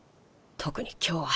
特に今日は。